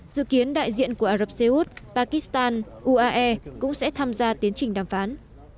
dự kiến đại diện của ả rập xê út pakistan uae cũng sẽ tham gia tiến trình đàm phán